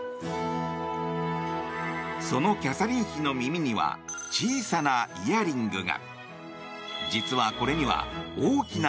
そのキャサリン妃の耳には小さなイヤリングが。